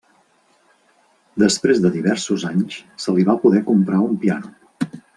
Després de diversos anys se li va poder comprar un piano.